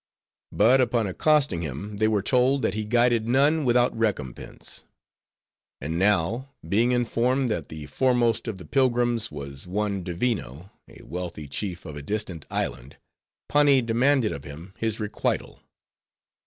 But upon accosting him; they were told, that he guided none without recompense. And now, being informed, that the foremost of the pilgrims was one Divino, a wealthy chief of a distant island, Pani demanded of him his requital.